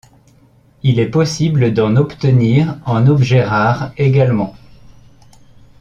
Il est possible d'en obtenir en objet rare également.